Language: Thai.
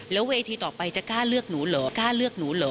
แล้วเวทีต่อไปจะกล้าเลือกหนูเหรอ